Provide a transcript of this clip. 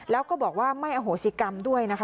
แล้วก็บอกว่าไม่อโหสิกรรมด้วยนะคะ